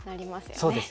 そうですよね。